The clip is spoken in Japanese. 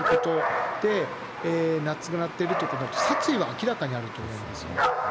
何度も殴打することで亡くなっているということになると、殺意は明らかにあると思うんですよ。